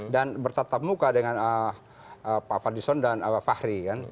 dan bercatat muka dengan pak fadlizon dan pak fahri